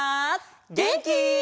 げんき？